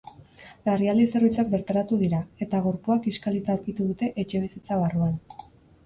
Larrialdi zerbitzuak bertaratu dira, eta gorpua kiskalita aurkitu dute etxebizitza barruan.